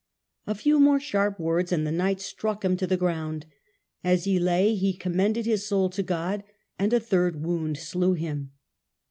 A few more sharp words and the knights struck him to the ground. As he lay he commended his soul to God, and a third wound slew him.